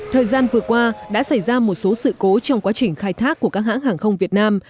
thời gian vừa qua đã xảy ra một số sự cố trong quá trình khai thác của các hãng hàng không việt nam